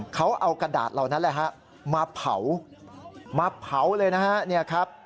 เขาเอากระดาษเหล่านั้นแหละครับมาเผามาเผาเลยนะครับ